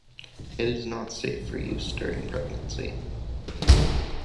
It is not safe for use during pregnancy.